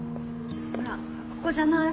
ほらここじゃない？